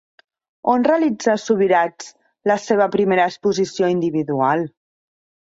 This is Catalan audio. On realitza Subirachs la seva primera exposició individual?